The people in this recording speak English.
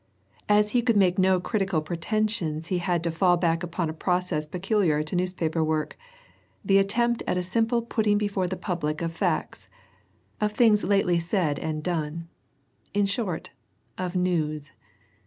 As he could make no critical pretensions he had to fall back upon a process peculiar to newspaper work, the attempt at a simple putting before the public of facts, of things lately said and done in short, of news.